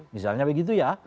misalnya begitu ya